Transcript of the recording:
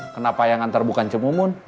kenapa yang antar bukan cemumun